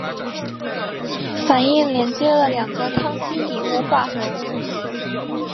反应连接了两个羰基底物化合物。